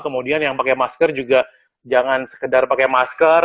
kemudian yang pakai masker juga jangan sekedar pakai masker